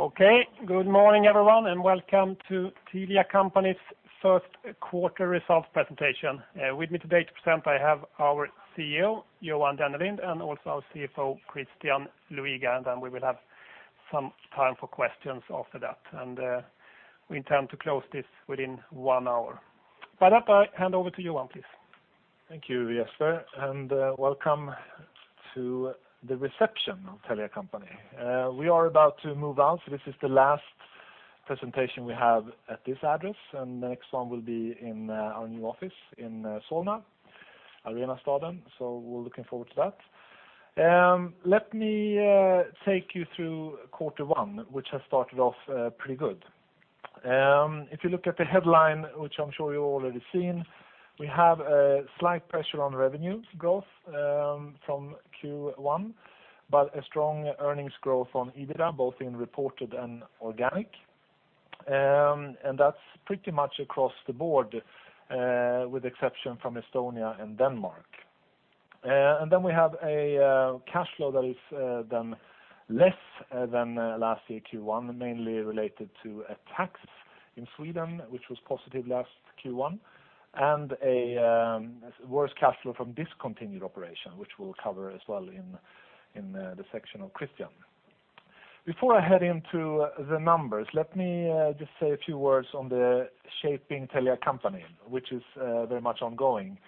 Okay. Good morning, everyone, and welcome to Telia Company's first quarter results presentation. With me today to present, I have our CEO, Johan Dennelind, and also our CFO, Christian Luiga, and then we will have some time for questions after that. We intend to close this within one hour. By that, I hand over to Johan, please. Thank you, Jesper, and welcome to the reception of Telia Company. We are about to move out, this is the last presentation we have at this address, and the next one will be in our new office in Solna, Arenastaden. We're looking forward to that. Let me take you through quarter one, which has started off pretty good. If you look at the headline, which I'm sure you've already seen, we have a slight pressure on revenue growth from Q1, but a strong earnings growth on EBITDA, both in reported and organic. That's pretty much across the board with exception from Estonia and Denmark. We have a cash flow that is then less than last year Q1, mainly related to a tax in Sweden, which was positive last Q1, and a worse cash flow from discontinued operation, which we'll cover as well in the section of Christian. Before I head into the numbers, let me just say a few words on the shaping Telia Company, which is very much ongoing,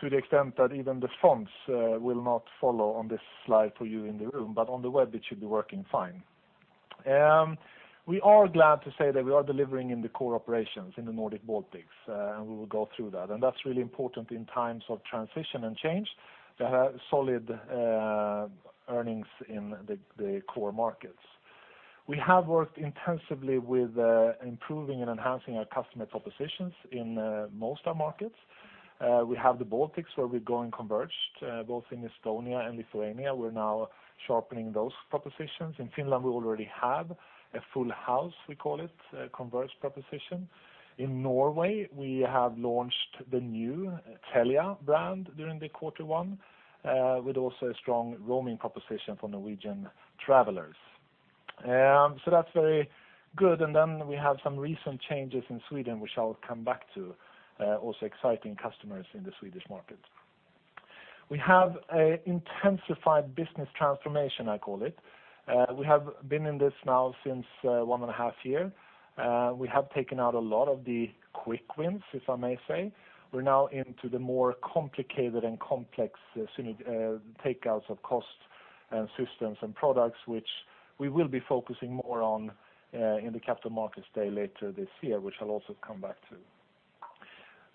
to the extent that even the fonts will not follow on this slide for you in the room, but on the web, it should be working fine. We are glad to say that we are delivering in the core operations in the Nordic Baltics, and we will go through that. That's really important in times of transition and change, to have solid earnings in the core markets. We have worked intensively with improving and enhancing our customer propositions in most our markets. We have the Baltics, where we're going converged, both in Estonia and Lithuania. We're now sharpening those propositions. In Finland, we already have a Full House, we call it, converged proposition. In Norway, we have launched the new Telia brand during the quarter one, with also a strong roaming proposition for Norwegian travelers. That's very good. We have some recent changes in Sweden, which I'll come back to, also exciting customers in the Swedish market. We have intensified business transformation, I call it. We have been in this now since one and a half year. We have taken out a lot of the quick wins, if I may say. We're now into the more complicated and complex takeouts of cost and systems and products, which we will be focusing more on in the capital markets day later this year, which I'll also come back to.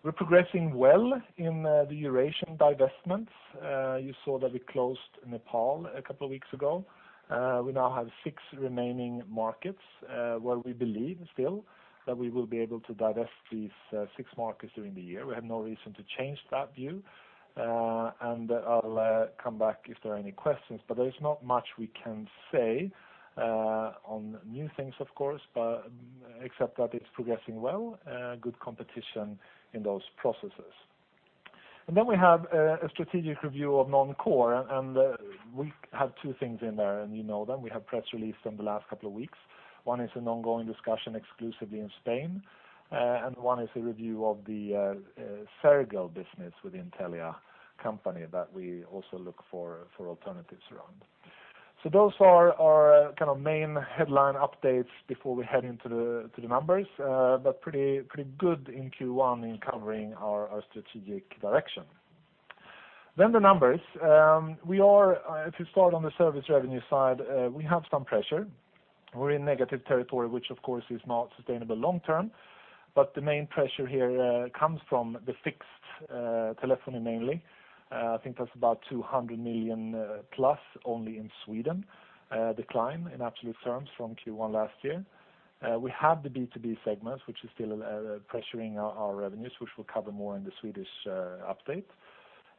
We're progressing well in the Eurasian divestments. You saw that we closed Nepal a couple of weeks ago. We now have 6 remaining markets where we believe still that we will be able to divest these 6 markets during the year. We have no reason to change that view. I'll come back if there are any questions, there is not much we can say on new things, of course, except that it's progressing well, good competition in those processes. We have a strategic review of non-core, we have 2 things in there, you know them. We have press released them the last couple of weeks. One is an ongoing discussion exclusively in Spain, one is a review of the Sergel business within Telia Company that we also look for alternatives around. Those are our main headline updates before we head into the numbers, pretty good in Q1 in covering our strategic direction. The numbers. If you start on the service revenue side, we have some pressure. We're in negative territory, which of course is not sustainable long-term, the main pressure here comes from the fixed telephony mainly. I think that's about 200 million plus only in Sweden decline in absolute terms from Q1 last year. We have the B2B segment, which is still pressuring our revenues, which we'll cover more in the Swedish update.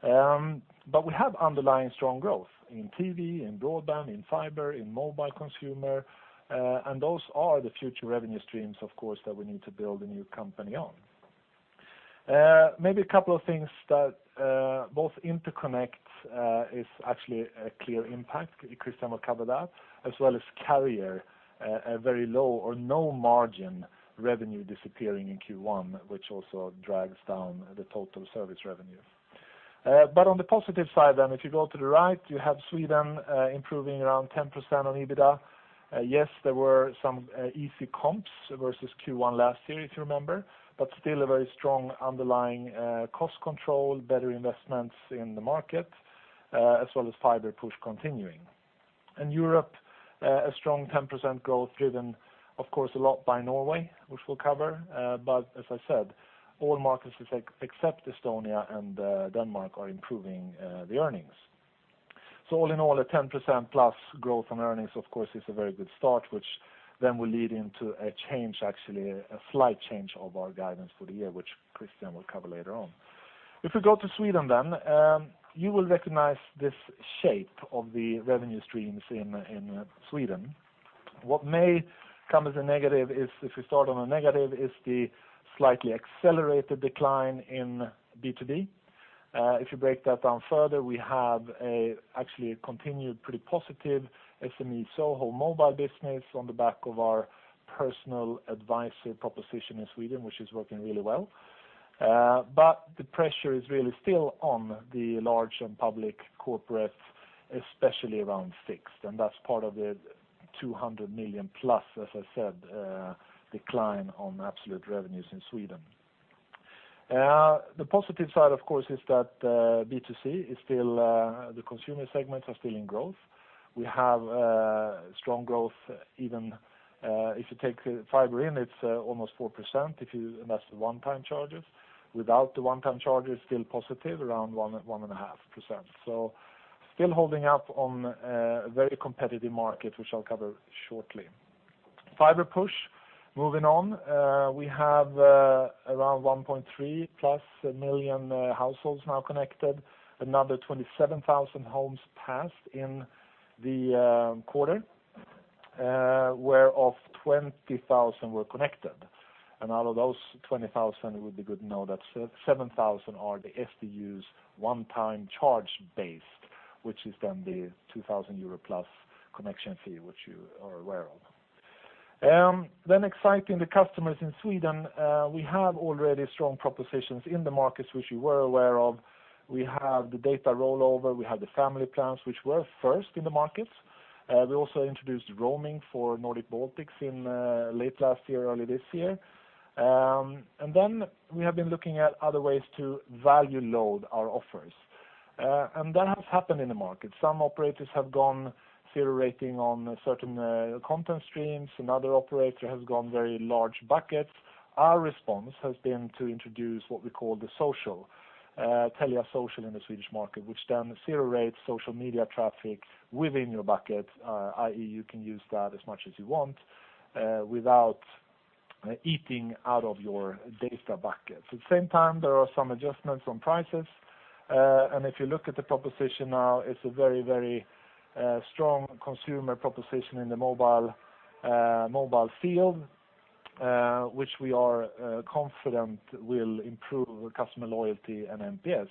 We have underlying strong growth in TV, in broadband, in fiber, in mobile consumer. Those are the future revenue streams, of course, that we need to build a new company on. Maybe 2 things that both interconnect is actually a clear impact. Christian will cover that, as well as carrier, a very low or no margin revenue disappearing in Q1, which also drags down the total service revenue. On the positive side, if you go to the right, you have Sweden improving around 10% on EBITDA. Yes, there were some easy comps versus Q1 last year, if you remember, still a very strong underlying cost control, better investments in the market, as well as fiber push continuing. In Europe, a strong 10% growth driven, of course, a lot by Norway, which we'll cover. As I said, all markets except Estonia and Denmark are improving the earnings. All in all, a 10% plus growth on earnings, of course, is a very good start, which will lead into a change, actually, a slight change of our guidance for the year, which Christian will cover later on. If we go to Sweden, you will recognize this shape of the revenue streams in Sweden. What may come as a negative, if we start on a negative, is the slightly accelerated decline in B2B. If you break that down further, we have actually continued pretty positive SME, SOHO Mobile business on the back of our personal advisor proposition in Sweden, which is working really well. The pressure is really still on the large and public corporates, especially around fixed, that's part of the 200 million plus, as I said, decline on absolute revenues in Sweden. The positive side, of course, is that B2C, the consumer segments are still in growth. We have strong growth. Even if you take fiber in, it's almost 4%, if you invest the one-time charges. Without the one-time charges, still positive, around 1.5%. Still holding up on a very competitive market, which I'll cover shortly. Fiber push. Moving on. We have around 1.3-plus million households now connected. Another 27,000 homes passed in the quarter, whereof 20,000 were connected. And out of those 20,000, it would be good to know that 7,000 are the SDUs one-time charge based, which is then the 2,000 euro plus connection fee, which you are aware of. Exciting the customers in Sweden, we have already strong propositions in the markets which you were aware of. We have the data rollover. We have the family plans, which were first in the market. We also introduced roaming for Nordic Baltics in late last year, early this year. We have been looking at other ways to value load our offers. That has happened in the market. Some operators have gone zero rating on certain content streams. Another operator has gone very large buckets. Our response has been to introduce what we call the Social, Telia Social in the Swedish market, which then zero-rates social media traffic within your bucket, i.e., you can use that as much as you want without eating out of your data bucket. At the same time, there are some adjustments on prices. If you look at the proposition now, it's a very strong consumer proposition in the mobile field, which we are confident will improve customer loyalty and NPS,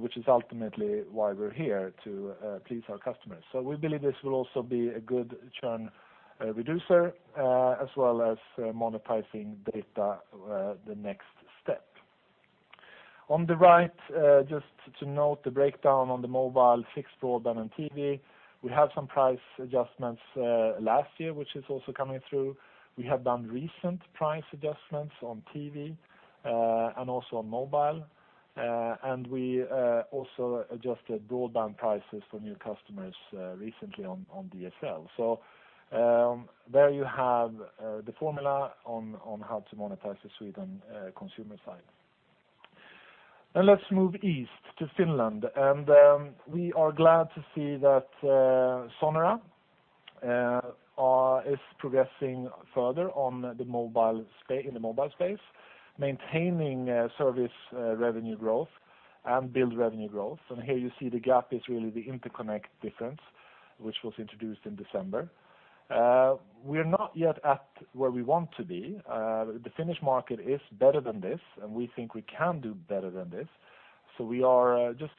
which is ultimately why we're here to please our customers. We believe this will also be a good churn reducer, as well as monetizing data the next step. On the right, just to note the breakdown on the mobile fixed broadband and TV. We had some price adjustments last year, which is also coming through. We have done recent price adjustments on TV, and also on mobile. We also adjusted broadband prices for new customers recently on DSL. There you have the formula on how to monetize the Sweden consumer side. Let's move east to Finland. We are glad to see that Sonera is progressing further in the mobile space, maintaining service revenue growth and billed revenue growth. Here you see the gap is really the interconnect difference, which was introduced in December. We're not yet at where we want to be. The Finnish market is better than this, and we think we can do better than this. We are just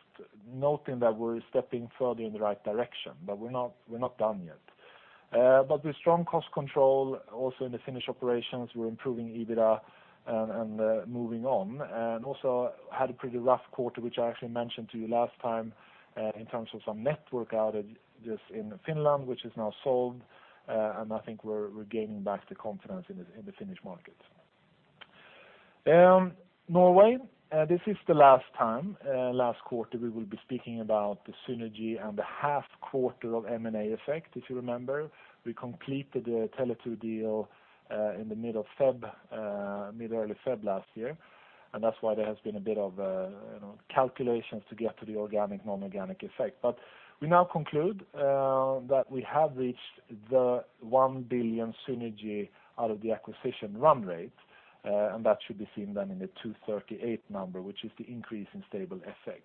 noting that we're stepping further in the right direction, but we're not done yet. With strong cost control also in the Finnish operations, we're improving EBITDA and moving on. We also had a pretty rough quarter, which I actually mentioned to you last time in terms of some network outages in Finland, which is now solved. I think we're gaining back the confidence in the Finnish market. Norway. This is the last time, last quarter, we will be speaking about the synergy and the half quarter of M&A effect. If you remember, we completed the Tele2 deal in the mid early February last year, that's why there has been a bit of calculations to get to the organic, non-organic effect. We now conclude that we have reached the 1 billion synergy out of the acquisition run rate, and that should be seen then in the 238 number, which is the increase in stable FX.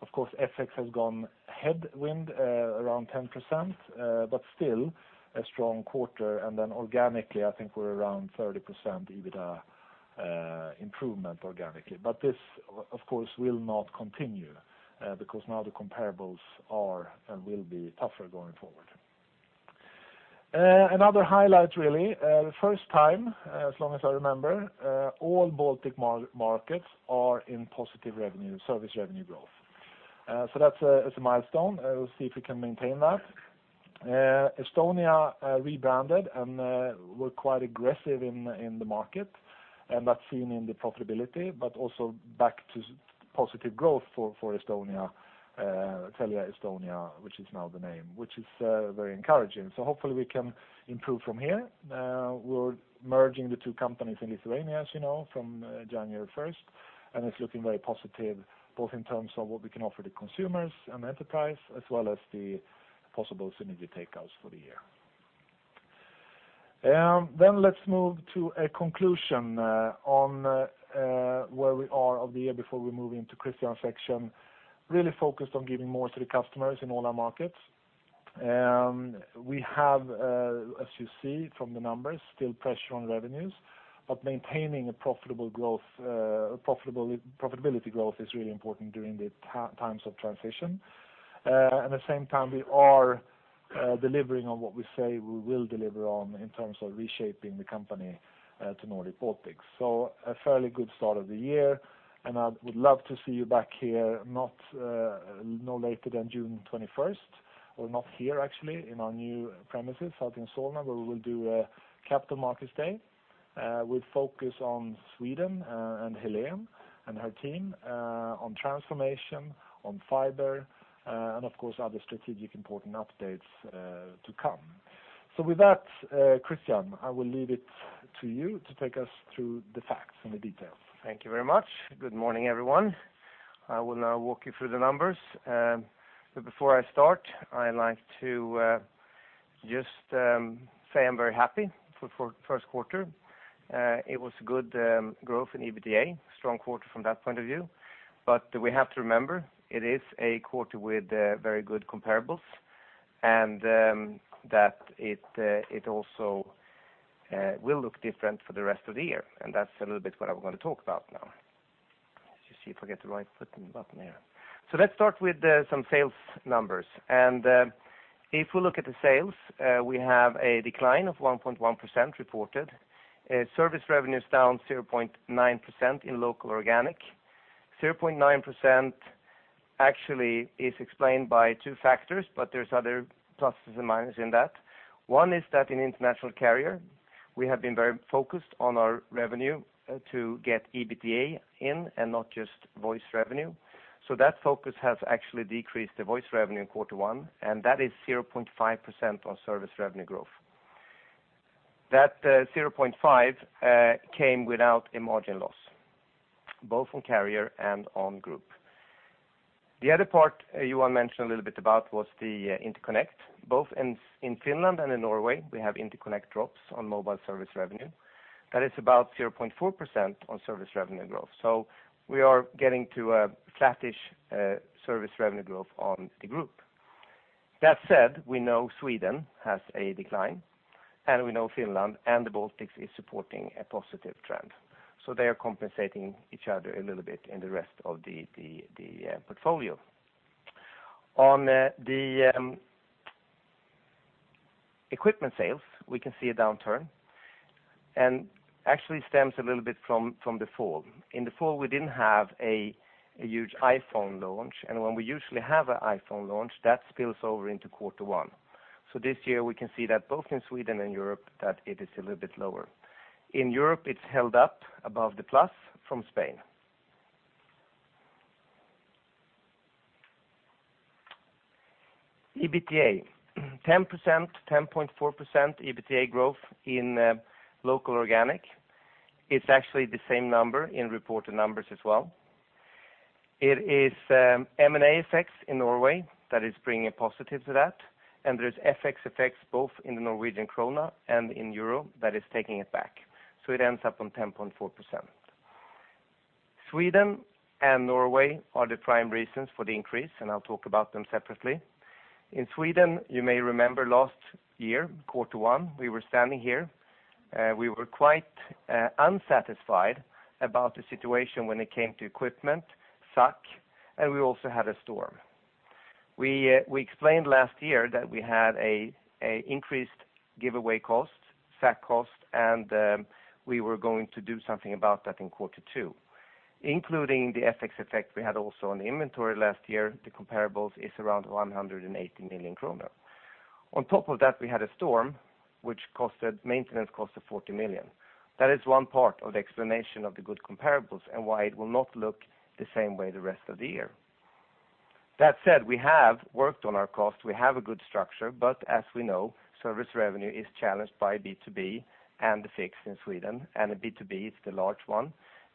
Of course, FX has gone headwind around 10%, but still a strong quarter. Organically, I think we're around 30% EBITDA improvement organically. This, of course, will not continue because now the comparables are and will be tougher going forward. Another highlight really, the first time, as long as I remember, all Baltic markets are in positive service revenue growth. So that's a milestone. We'll see if we can maintain that. Estonia rebranded, and we're quite aggressive in the market, and that's seen in the profitability, but also back to positive growth for Telia Eesti, which is now the name. Which is very encouraging. So hopefully we can improve from here. We're merging the two companies in Lithuania, as you know, from January 1st, and it's looking very positive, both in terms of what we can offer the consumers and enterprise, as well as the possible synergy takeouts for the year. Let's move to a conclusion on where we are of the year before we move into Christian's section. Really focused on giving more to the customers in all our markets. We have, as you see from the numbers, still pressure on revenues, but maintaining a profitability growth is really important during the times of transition. At the same time, we are delivering on what we say we will deliver on in terms of reshaping the company to Nordic Baltics. A fairly good start of the year, and I would love to see you back here no later than June 21st, or not here, actually, in our new premises out in Solna, where we will do a capital markets day. We'll focus on Sweden and Hélène and her team, on transformation, on fiber, and of course, other strategic important updates to come. With that, Christian, I will leave it to you to take us through the facts and the details. Thank you very much. Good morning, everyone. I will now walk you through the numbers. Before I start, I'd like to just say I'm very happy for first quarter. It was good growth in EBITDA, strong quarter from that point of view. It also will look different for the rest of the year, and that's a little bit what I want to talk about now. Let's just see if I get the right button there. Let's start with some sales numbers. If we look at the sales, we have a decline of 1.1% reported. Service revenue is down 0.9% in local organic. 0.9% actually is explained by two factors, but there's other pluses and minuses in that. One is that in international carrier, we have been very focused on our revenue to get EBITDA in and not just voice revenue. That focus has actually decreased the voice revenue in Q1, and that is 0.5% on service revenue growth. That 0.5% came without a margin loss, both on carrier and on group. The other part Johan mentioned a little bit about was the interconnect. Both in Finland and in Norway, we have interconnect drops on mobile service revenue. That is about 0.4% on service revenue growth. We are getting to a flattish service revenue growth on the group. That said, we know Sweden has a decline, and we know Finland and the Baltics is supporting a positive trend. They are compensating each other a little bit in the rest of the portfolio. On the equipment sales, we can see a downturn, actually stems a little bit from the fall. In the fall, we didn't have a huge iPhone launch, and when we usually have an iPhone launch, that spills over into Q1. This year, we can see that both in Sweden and Europe, that it is a little bit lower. In Europe, it's held up above the plus from Spain. EBITDA, 10.4% EBITDA growth in local organic. It's actually the same number in reported numbers as well. It is M&A effects in Norway that is bringing a positive to that, and there's FX effects both in the Norwegian krona and in euro that is taking it back. It ends up on 10.4%. Sweden and Norway are the prime reasons for the increase, I'll talk about them separately. In Sweden, you may remember last year, Q1, we were standing here. We were quite unsatisfied about the situation when it came to equipment, SAC, and we also had a storm. We explained last year that we had increased giveaway costs, SAC costs, and we were going to do something about that in Q2. Including the FX effect we had also on the inventory last year, the comparables is around 180 million kronor. On top of that, we had a storm which costed maintenance costs of 40 million. That is one part of the explanation of the good comparables and why it will not look the same way the rest of the year. That said, we have worked on our cost. We have a good structure, but as we know, service revenue is challenged by B2B and the fixed in Sweden, the B2B is the large one.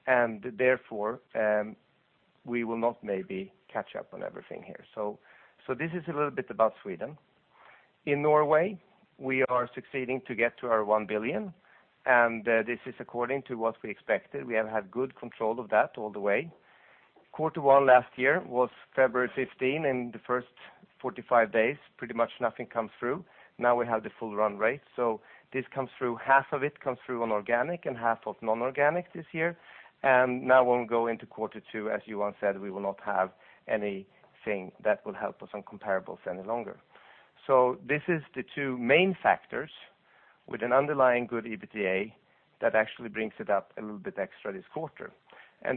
Therefore, we will not maybe catch up on everything here. This is a little bit about Sweden. In Norway, we are succeeding to get to our 1 billion, and this is according to what we expected. We have had good control of that all the way. Q1 last year was February 15, and the first 45 days, pretty much nothing comes through. Now we have the full run rate. This comes through, half of it comes through on organic and half of non-organic this year. Now when we go into Q2, as Johan said, we will not have anything that will help us on comparables any longer. This is the two main factors with an underlying good EBITDA that actually brings it up a little bit extra this quarter.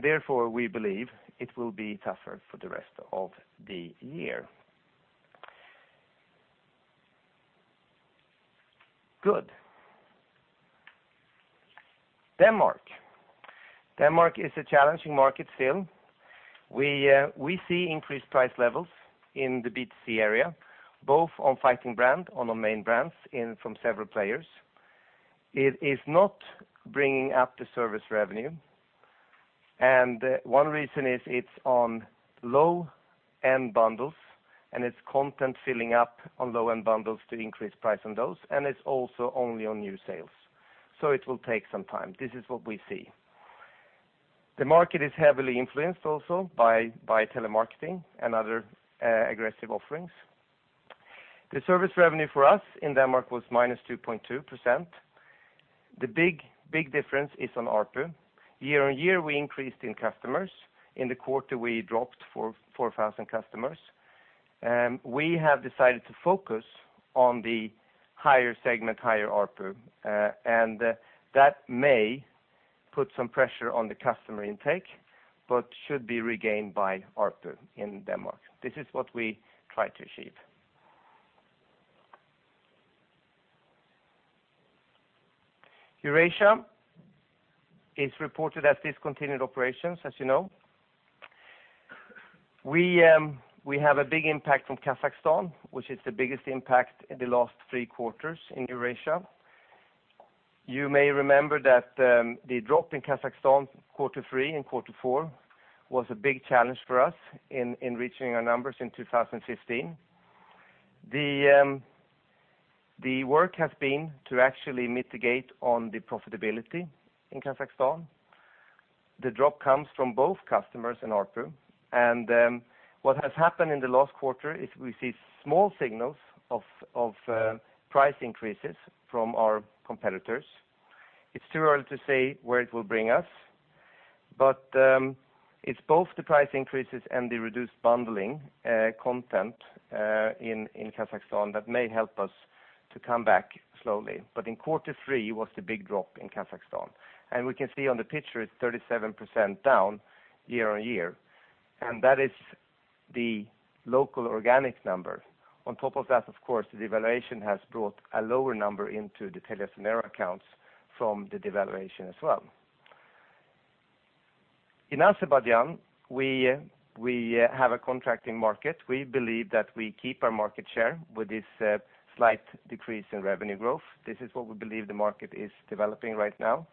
Therefore, we believe it will be tougher for the rest of the year. Good. Denmark. Denmark is a challenging market still. We see increased price levels in the B2C area, both on fighting brand, on the main brands from several players. It is not bringing up the service revenue. One reason is it's on low-end bundles, and it's content filling up on low-end bundles to increase price on those, and it's also only on new sales. It will take some time. This is what we see. The market is heavily influenced also by telemarketing and other aggressive offerings. The service revenue for us in Denmark was -2.2%. The big difference is on ARPU. Year-over-year, we increased in customers. In the quarter, we dropped 4,000 customers. We have decided to focus on the higher segment, higher ARPU. That may put some pressure on the customer intake, but should be regained by ARPU in Denmark. This is what we try to achieve. Eurasia is reported as discontinued operations, as you know. We have a big impact from Kazakhstan, which is the biggest impact in the last 3 quarters in Eurasia. You may remember that the drop in Kazakhstan, Q3 and Q4, was a big challenge for us in reaching our numbers in 2015. The work has been to actually mitigate on the profitability in Kazakhstan. The drop comes from both customers and ARPU. What has happened in the last quarter is we see small signals of price increases from our competitors. It's too early to say where it will bring us, but it's both the price increases and the reduced bundling content in Kazakhstan that may help us to come back slowly. In Q3 was the big drop in Kazakhstan. We can see on the picture it's 37% down year-over-year, and that is the local organic number. On top of that, of course, the devaluation has brought a lower number into the TeliaSonera accounts from the devaluation as well. In Azerbaijan, we have a contracting market. We believe that we keep our market share with this slight decrease in revenue growth. This is what we believe the market is developing right now.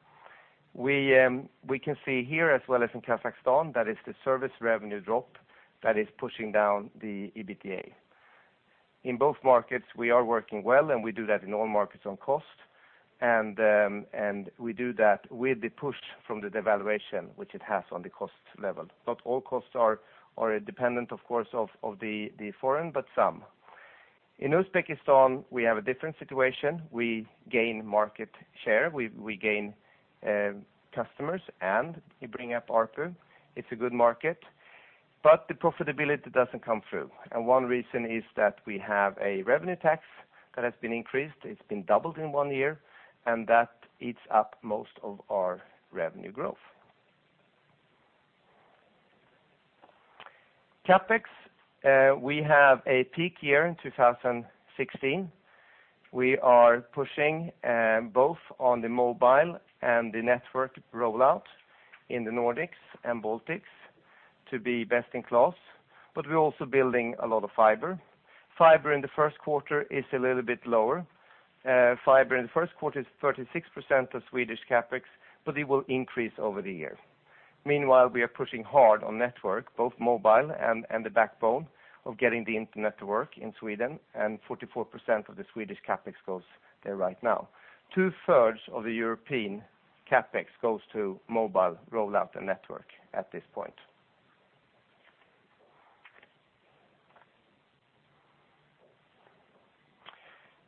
We can see here as well as in Kazakhstan, that is the service revenue drop that is pushing down the EBITDA. In both markets, we are working well, and we do that in all markets on cost. We do that with the push from the devaluation, which it has on the cost level. Not all costs are dependent, of course, of the foreign, but some. In Uzbekistan, we have a different situation. We gain market share, we gain customers, and we bring up ARPU. It's a good market. The profitability doesn't come through. One reason is that we have a revenue tax that has been increased. It's been doubled in 1 year, and that eats up most of our revenue growth. CapEx, we have a peak year in 2016. We are pushing both on the mobile and the network rollout in the Nordics and Baltics to be best in class, but we're also building a lot of fiber. Fiber in Q1 is a little bit lower. Fiber in Q1 is 36% of Swedish CapEx, but it will increase over the year. Meanwhile, we are pushing hard on network, both mobile and the backbone of getting the internet to work in Sweden, and 44% of the Swedish CapEx goes there right now. Two-thirds of the European CapEx goes to mobile rollout and network at this point.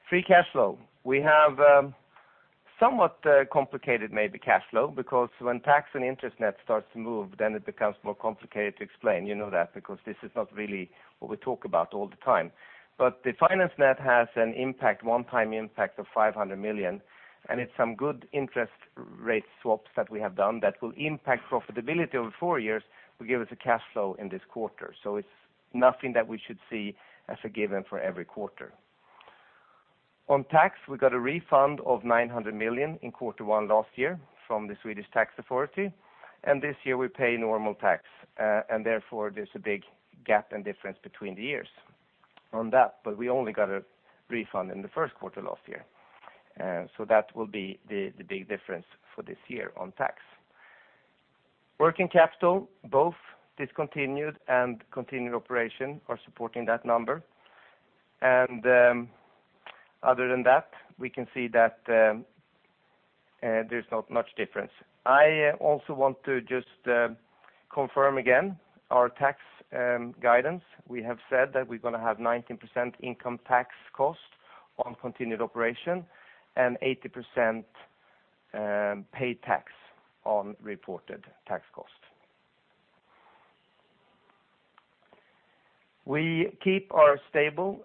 Free cash flow. We have somewhat complicated maybe cash flow, because when tax and interest net starts to move, then it becomes more complicated to explain. You know that because this is not really what we talk about all the time. The finance net has an impact, one-time impact of 500 million, and it's some good interest rate swaps that we have done that will impact profitability over four years will give us a cash flow in this quarter. It's nothing that we should see as a given for every quarter. On tax, we got a refund of 900 million in quarter one last year from the Swedish Tax Authority, and this year we pay normal tax. Therefore, there's a big gap and difference between the years on that. We only got a refund in the first quarter last year. That will be the big difference for this year on tax. Working capital, both discontinued and continued operation are supporting that number. Other than that, we can see that there's not much difference. I also want to just confirm again our tax guidance. We have said that we're going to have 19% income tax cost on continued operation and 80% paid tax on reported tax cost. We keep our stable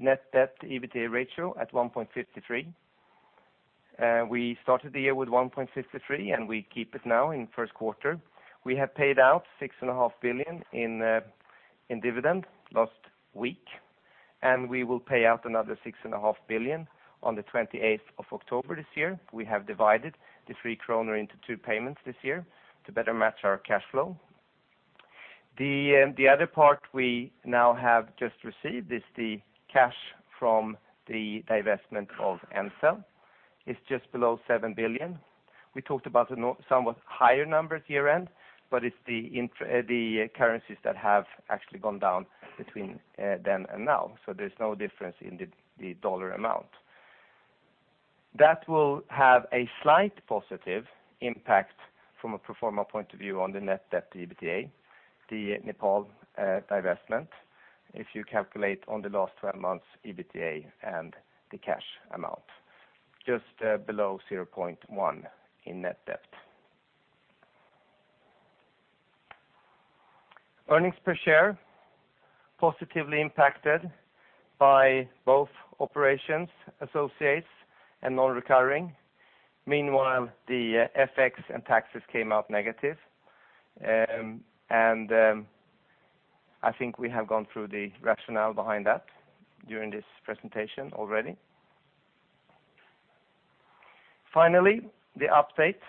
net debt to EBITDA ratio at 1.53. We started the year with 1.53, and we keep it now in first quarter. We have paid out 6.5 billion in dividend last week, and we will pay out another 6.5 billion on the 28th of October this year. We have divided the 3 kronor into two payments this year to better match our cash flow. The other part we now have just received is the cash from the divestment of Ncell. It's just below 7 billion. We talked about a somewhat higher number at year-end, but it's the currencies that have actually gone down between then and now, so there's no difference in the dollar amount. That will have a slight positive impact from a pro forma point of view on the net debt to EBITDA, the Nepal divestment, if you calculate on the last 12 months' EBITDA and the cash amount. Just below 0.1 in net debt. Earnings per share, positively impacted by both operations, associates, and non-recurring. Meanwhile, the FX and taxes came out negative, and I think we have gone through the rationale behind that during this presentation already. Finally, the update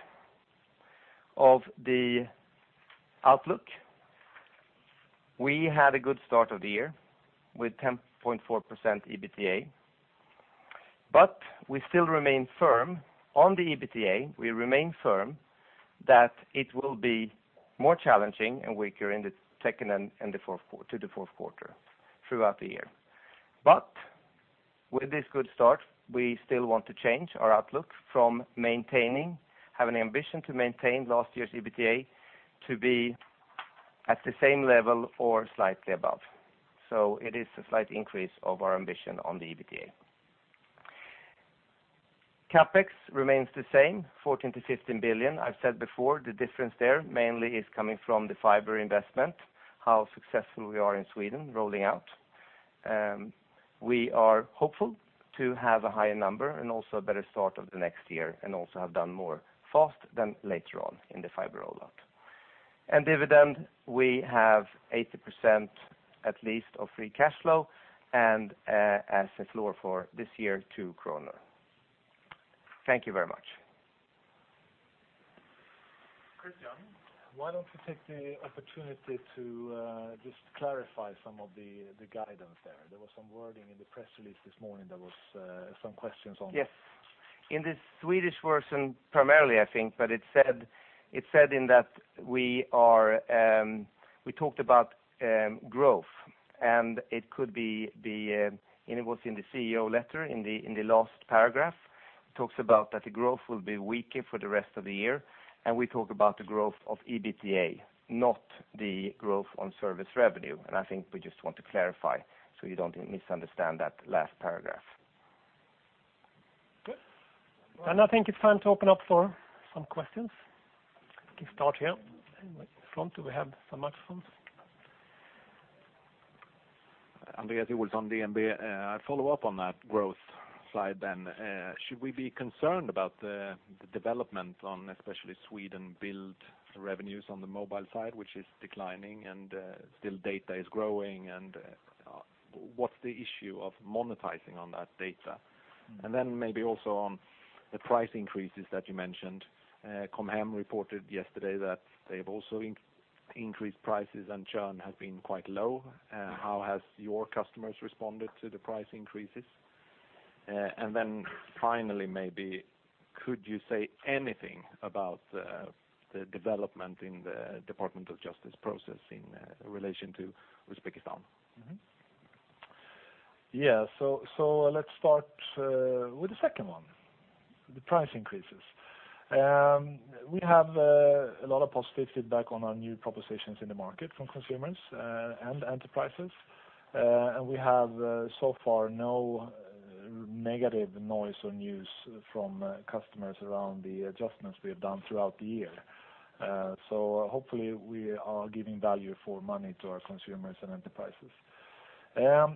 of the outlook. We had a good start of the year with 10.4% EBITDA. We still remain firm on the EBITDA. We remain firm that it will be more challenging and weaker in the second to the fourth quarter throughout the year. With this good start, we still want to change our outlook from maintaining, have an ambition to maintain last year's EBITDA, to be at the same level or slightly above. It is a slight increase of our ambition on the EBITDA. CapEx remains the same, 14 billion-15 billion. I've said before, the difference there mainly is coming from the fiber investment, how successful we are in Sweden rolling out. We are hopeful to have a higher number and also a better start of the next year, and also have done more fast than later on in the fiber rollout. Dividend, we have 80%, at least of free cash flow, and as a floor for this year 2 kronor. Thank you very much. Christian, why don't you take the opportunity to just clarify some of the guidance there? There was some wording in the press release this morning that was some questions on. Yes. In the Swedish version, primarily, I think, it said in that we talked about growth, and it was in the CEO letter in the last paragraph. It talks about that the growth will be weaker for the rest of the year, and we talk about the growth of EBITDA, not the growth on service revenue. I think we just want to clarify so you don't misunderstand that last paragraph. Good. I think it's time to open up for some questions. Let's get start here. Anyway, front, do we have some microphones? Andreas with DNB. I follow up on that growth slide. Should we be concerned about the development on especially Telia Sweden revenues on the mobile side, which is declining and still data is growing, what's the issue of monetizing on that data? Maybe also on the price increases that you mentioned. Com Hem reported yesterday that they've also increased prices and churn has been quite low. How have your customers responded to the price increases? Finally, maybe could you say anything about the development in the Department of Justice processing in relation to Uzbekistan? Yeah. Let's start with the second one, the price increases. We have a lot of positive feedback on our new propositions in the market from consumers and enterprises. We have so far no negative noise or news from customers around the adjustments we have done throughout the year. Hopefully we are giving value for money to our consumers and enterprises.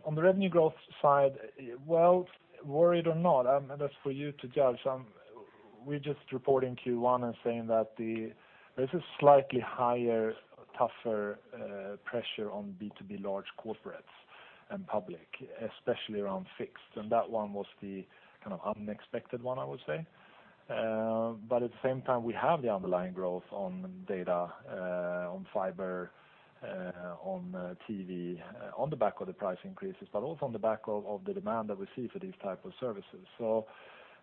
On the revenue growth side, well, worried or not, that's for you to judge. We're just reporting Q1 and saying that there's a slightly higher, tougher pressure on B2B large corporates and public, especially around fixed. That one was the unexpected one, I would say. At the same time, we have the underlying growth on data, on fiber, on TV, on the back of the price increases, also on the back of the demand that we see for these type of services.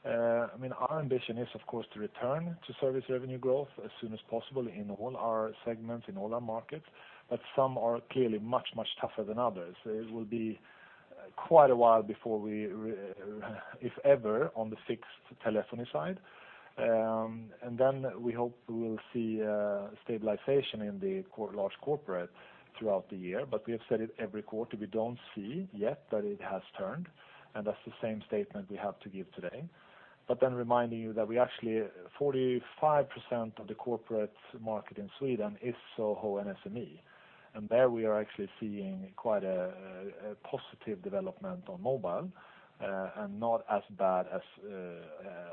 Our ambition is, of course, to return to service revenue growth as soon as possible in all our segments, in all our markets, but some are clearly much, much tougher than others. It will be quite a while before we, if ever, on the fixed telephony side. We hope we will see a stabilization in the large corporate throughout the year, but we have said it every quarter, we don't see yet that it has turned, that's the same statement we have to give today. Reminding you that we actually, 45% of the corporate market in Sweden is SOHO and SME. There we are actually seeing quite a positive development on mobile, not as bad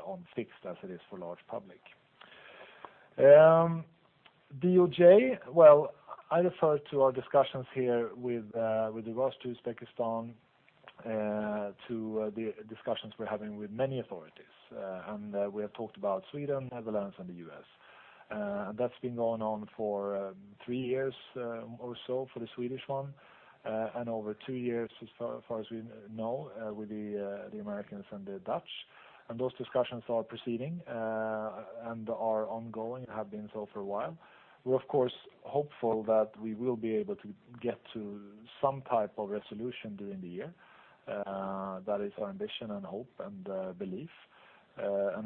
on fixed as it is for large public. DOJ, well, I refer to our discussions here with regards to Uzbekistan To the discussions we're having with many authorities, we have talked about Sweden, Netherlands, and the U.S. That's been going on for three years or so for the Swedish one, over two years as far as we know, with the Americans and the Dutch. Those discussions are proceeding and are ongoing, have been so for a while. We're of course hopeful that we will be able to get to some type of resolution during the year. That is our ambition, and hope, and belief.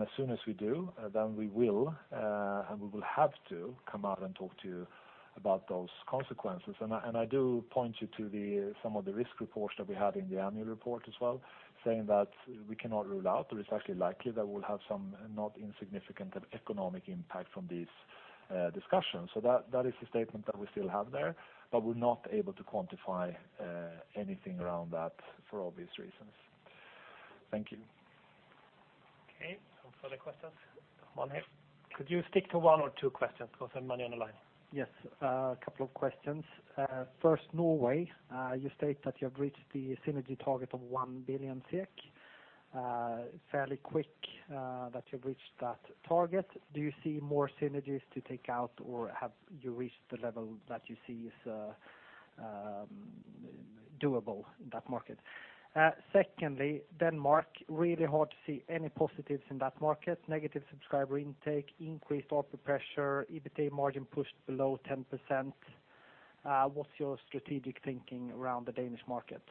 As soon as we do, we will, we will have to come out and talk to you about those consequences. I do point you to some of the risk reports that we had in the annual report as well, saying that we cannot rule out, or it's actually likely that we'll have some not insignificant economic impact from these discussions. That is the statement that we still have there, but we're not able to quantify anything around that for obvious reasons. Thank you. Okay. Some further questions. Manny. Could you stick to one or two questions? Got many on the line. Yes, a couple of questions. First, Norway. You state that you have reached the synergy target of 1 billion. Fairly quick that you've reached that target. Do you see more synergies to take out, or have you reached the level that you see is doable in that market? Secondly, Denmark, really hard to see any positives in that market. Negative subscriber intake, increased output pressure, EBITDA margin pushed below 10%. What's your strategic thinking around the Danish market?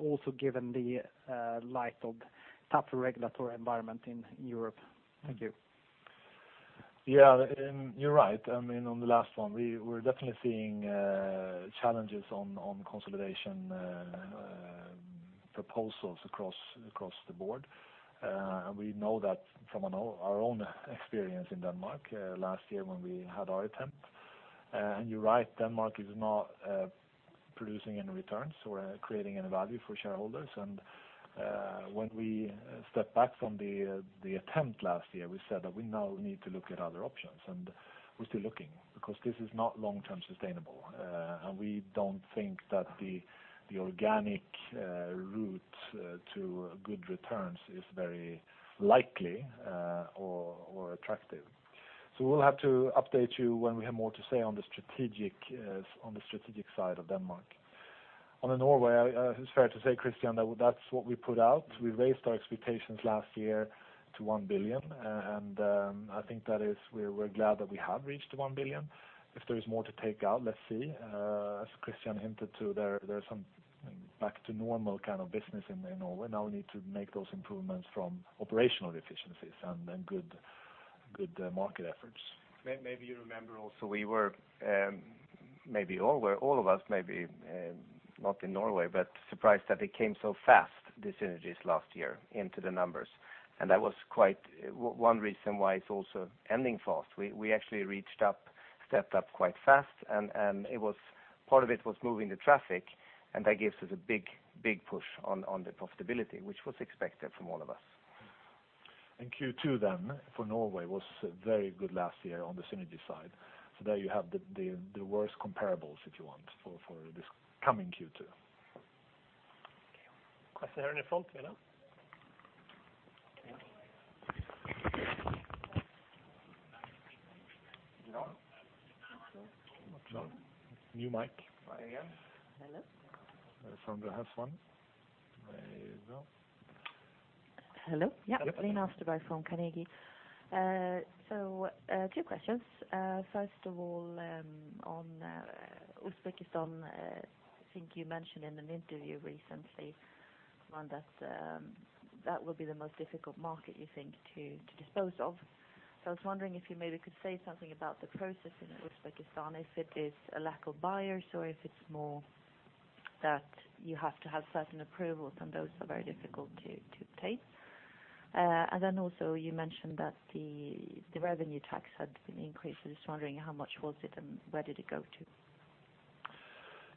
Also given the light of tougher regulatory environment in Europe. Thank you. Yeah. You're right. On the last one, we're definitely seeing challenges on consolidation proposals across the board. We know that from our own experience in Denmark, last year when we had our attempt. You're right, Denmark is not producing any returns or creating any value for shareholders. When we stepped back from the attempt last year, we said that we now need to look at other options, and we're still looking, because this is not long-term sustainable. We don't think that the organic route to good returns is very likely or attractive. We'll have to update you when we have more to say on the strategic side of Denmark. On Norway, it's fair to say, Christian, that that's what we put out. We raised our expectations last year to 1 billion, and I think that we're glad that we have reached 1 billion. If there is more to take out, let's see. As Christian hinted too, there's some back to normal kind of business in Norway. Now we need to make those improvements from operational efficiencies and then good market efforts. Maybe you remember also, all of us maybe, not in Norway, but surprised that it came so fast, the synergies last year into the numbers. That was one reason why it's also ending fast. We actually stepped up quite fast, and part of it was moving the traffic, and that gives us a big push on the profitability, which was expected from all of us. Q2 then for Norway was very good last year on the synergy side. There you have the worst comparables if you want for this coming Q2. Okay. New mic. Hi again. Hello. From the house phone. There you go. Hello? Yeah. Line Aasterbø from Carnegie. Two questions. First of all, on Uzbekistan, I think you mentioned in an interview recently, Johan, that that would be the most difficult market you think to dispose of. I was wondering if you maybe could say something about the process in Uzbekistan, if it is a lack of buyers or if it's more that you have to have certain approvals and those are very difficult to take. Also you mentioned that the revenue tax had been increased. I was wondering how much was it and where did it go to?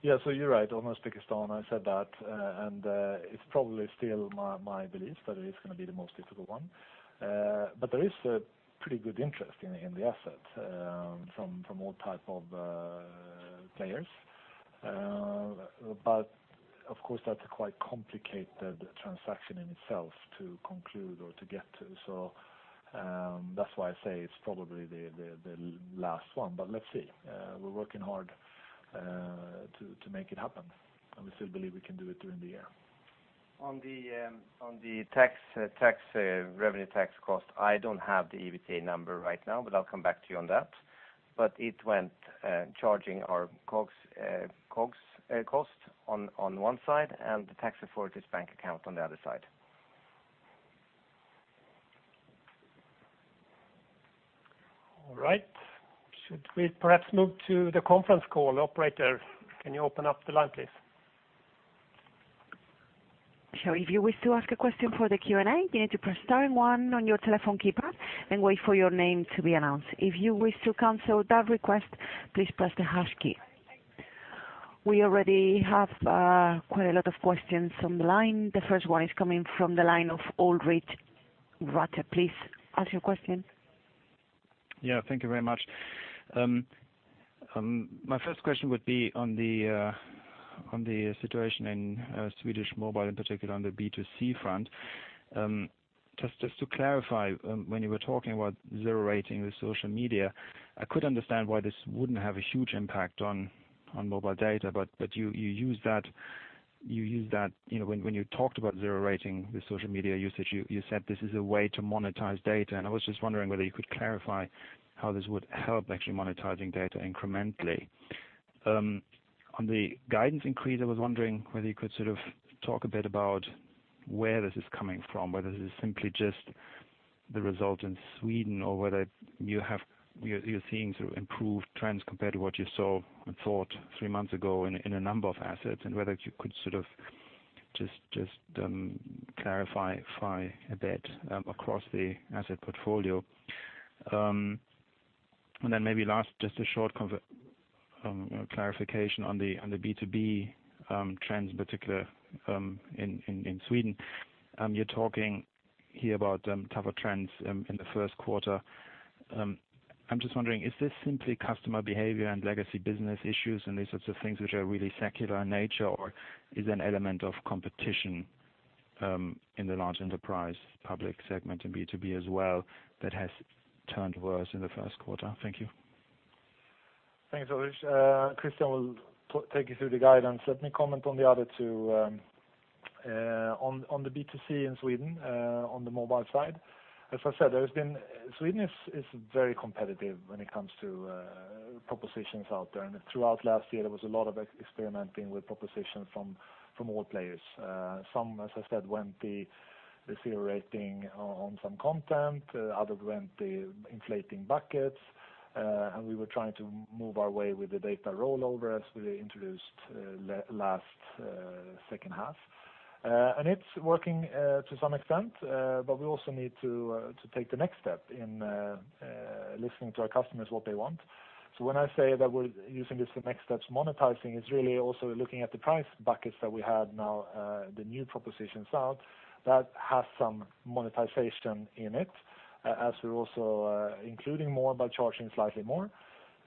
Yeah. You're right. On Uzbekistan, I said that, and it's probably still my belief that it is going to be the most difficult one. There is a pretty good interest in the asset, from all type of players. Of course, that's a quite complicated transaction in itself to conclude or to get to. That's why I say it's probably the last one, but let's see. We're working hard to make it happen, and we still believe we can do it during the year. On the revenue tax cost, I don't have the EBITDA number right now, I'll come back to you on that. It went charging our COGS cost on one side and the tax authority's bank account on the other side. All right. Should we perhaps move to the conference call? Operator, can you open up the line, please? If you wish to ask a question for the Q&A, you need to press star and one on your telephone keypad and wait for your name to be announced. If you wish to cancel that request, please press the hash key. We already have quite a lot of questions on the line. The first one is coming from the line of Ulrich Rathe. Please ask your question. Yeah. Thank you very much. My first question would be on the situation in Swedish Mobile, in particular on the B2C front. Just to clarify, when you were talking about zero rating with social media, I could understand why this wouldn't have a huge impact on mobile data, when you talked about zero rating with social media usage, you said this is a way to monetize data, and I was just wondering whether you could clarify how this would help actually monetizing data incrementally. On the guidance increase, I was wondering whether you could talk a bit about where this is coming from, whether this is simply just the result in Sweden, or whether you're seeing improved trends compared to what you saw and thought three months ago in a number of assets, and whether you could just clarify a bit across the asset portfolio. Maybe last, just a short clarification on the B2B trends, particular in Sweden. You are talking here about tougher trends in the first quarter. I am just wondering, is this simply customer behavior and legacy business issues and these sorts of things which are really secular in nature, or is an element of competition in the large enterprise public segment in B2B as well that has turned worse in the first quarter? Thank you. Thanks, Ulrich. Christian will take you through the guidance. Let me comment on the other two. On the B2C in Sweden, on the mobile side, as I said, Sweden is very competitive when it comes to propositions out there, and throughout last year, there was a lot of experimenting with propositions from all players. Some, as I said, went the zero rating on some content, others went the inflating buckets, and we were trying to move our way with the data rollover as we introduced last second half. It is working to some extent, but we also need to take the next step in listening to our customers, what they want. When I say that we are using this next steps monetizing, it is really also looking at the price buckets that we had now, the new propositions out, that has some monetization in it, as we are also including more by charging slightly more.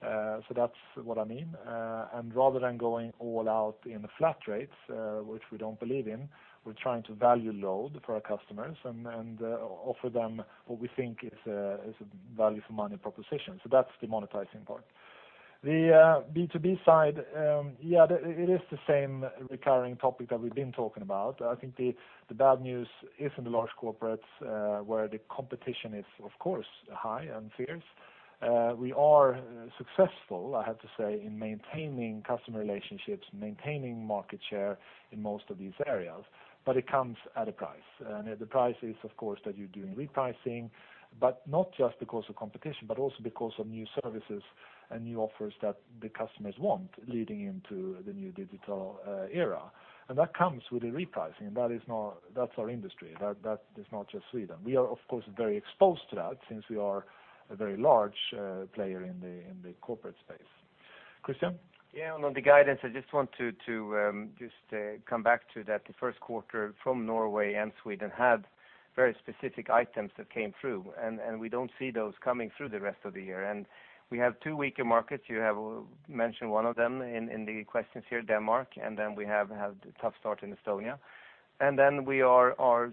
That is what I mean. Rather than going all out in the flat rates, which we do not believe in, we are trying to value load for our customers and offer them what we think is a value for money proposition. That is the monetizing part. The B2B side, yeah, it is the same recurring topic that we have been talking about. I think the bad news is in the large corporates, where the competition is of course high and fierce. We are successful, I have to say, in maintaining customer relationships, maintaining market share in most of these areas, but it comes at a price. The price is, of course, that you are doing repricing, but not just because of competition, but also because of new services and new offers that the customers want, leading into the new digital era. That comes with the repricing. That is our industry. That is not just Sweden. We are, of course, very exposed to that since we are a very large player in the corporate space. Christian? On the guidance, I just want to come back to that. The first quarter from Norway and Sweden had very specific items that came through, we don't see those coming through the rest of the year. We have two weaker markets. You have mentioned one of them in the questions here, Denmark, then we have had a tough start in Estonia. We are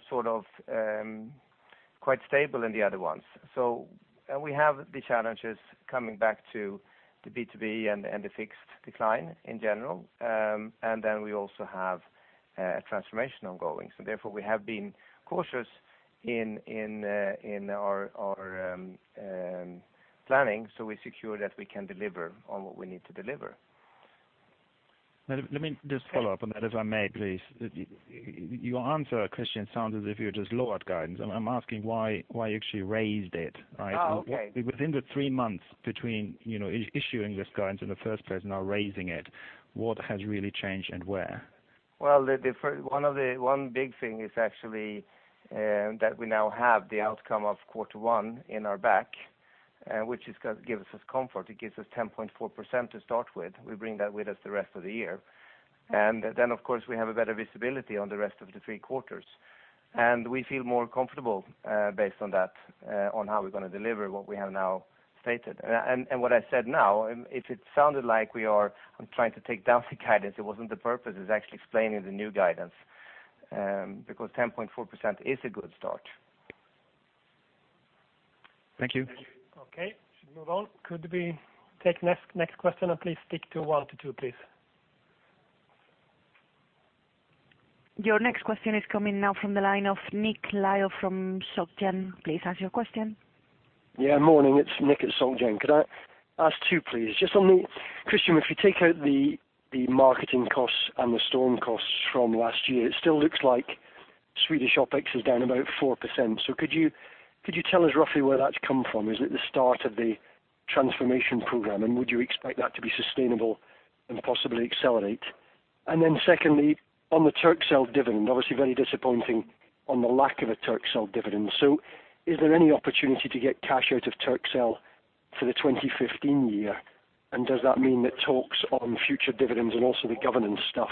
quite stable in the other ones. We have the challenges coming back to the B2B and the fixed decline in general. We also have a transformational going. Therefore, we have been cautious in our planning, we secure that we can deliver on what we need to deliver. Let me just follow up on that, if I may, please. Your answer, Christian, sounded as if you just lowered guidance. I'm asking why you actually raised it, right? Okay. Within the three months between issuing this guidance in the first place, now raising it, what has really changed and where? Well, one big thing is actually that we now have the outcome of quarter one in our back, which gives us comfort. It gives us 10.4% to start with. We bring that with us the rest of the year. Of course, we have a better visibility on the rest of the three quarters. We feel more comfortable based on that, on how we're going to deliver what we have now stated. What I said now, if it sounded like I'm trying to take down the guidance, it wasn't the purpose. It's actually explaining the new guidance, because 10.4% is a good start. Thank you. Okay. Should move on. Could we take next question and please stick to 1 to 2, please. Your next question is coming now from the line of Nick Lyall from SolGen. Please ask your question. Morning. It's Nick at SolGen. Could I ask two, please? Christian, if you take out the marketing costs and the storm costs from last year, it still looks like Swedish OpEx is down about 4%. Could you tell us roughly where that's come from? Is it the start of the transformation program, and would you expect that to be sustainable and possibly accelerate? Secondly, on the Turkcell dividend, obviously very disappointing on the lack of a Turkcell dividend. Is there any opportunity to get cash out of Turkcell for the 2015 year? Does that mean that talks on future dividends and also the governance stuff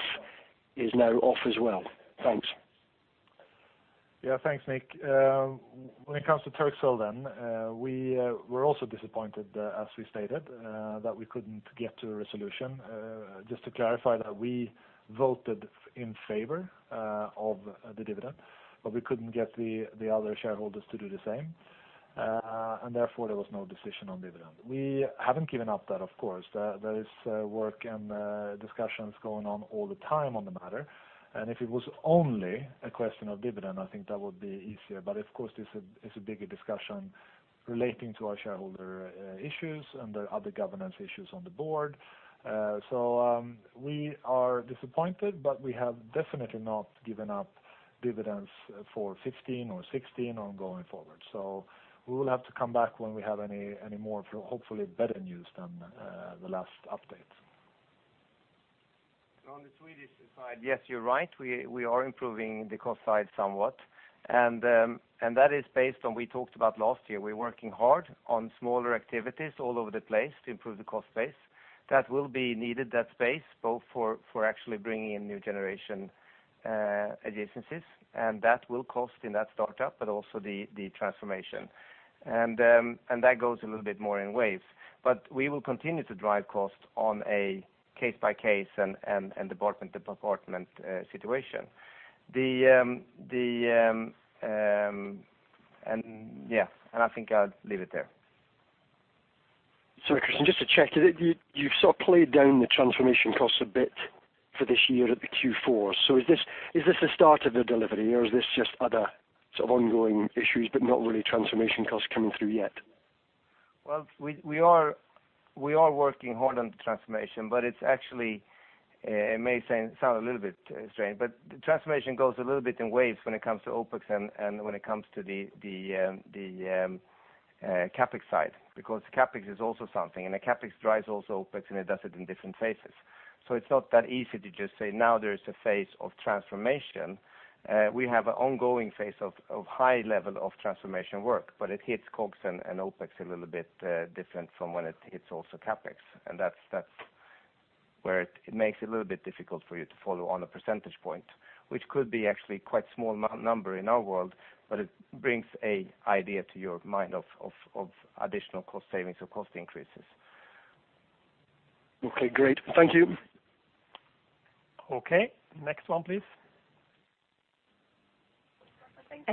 is now off as well? Thanks. Thanks, Nick. When it comes to Turkcell then, we were also disappointed, as we stated, that we couldn't get to a resolution. Just to clarify that we voted in favor of the dividend, but we couldn't get the other shareholders to do the same, and therefore, there was no decision on dividend. We haven't given up that of course. There is work and discussions going on all the time on the matter, and if it was only a question of dividend, I think that would be easier. Of course, this is a bigger discussion relating to our shareholder issues and the other governance issues on the board. We are disappointed, but we have definitely not given up dividends for 2015 or 2016 or going forward. We will have to come back when we have any more, hopefully better news than the last update. On the Swedish side, yes, you're right. We are improving the cost side somewhat, and that is based on we talked about last year. We're working hard on smaller activities all over the place to improve the cost base. That will be needed, that space, both for actually bringing in new generation adjacencies, and that will cost in that startup, but also the transformation. That goes a little bit more in waves. We will continue to drive cost on a case-by-case and department-to-department situation. Yeah. I think I'll leave it there. Sorry, Christian, just to check. You've sort of played down the transformation costs a bit for this year at the Q4. Is this the start of the delivery, or is this just other sort of ongoing issues, but not really transformation costs coming through yet? Well, we are working hard on the transformation, it may sound a little bit strange, but the transformation goes a little bit in waves when it comes to OpEx and when it comes to the CapEx side, because CapEx is also something, and the CapEx drives also OpEx, and it does it in different phases. So it's not that easy to just say, now there is a phase of transformation. We have an ongoing phase of high level of transformation work, but it hits COGS and OpEx a little bit different from when it hits also CapEx, and that's where it makes it a little bit difficult for you to follow on a percentage point, which could be actually quite small number in our world, but it brings an idea to your mind of additional cost savings or cost increases. Okay, great. Thank you. Okay. Next one, please.